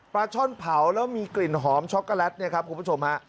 ช่อนเผาแล้วมีกลิ่นหอมช็อกโกแลตเนี่ยครับคุณผู้ชมฮะ